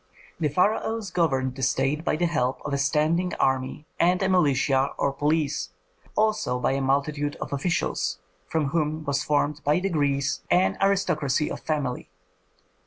The pharaohs governed the state by the help of a standing army and a militia or police, also by a multitude of officials, from whom was formed by degrees an aristocracy of family.